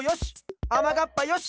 あまがっぱよし！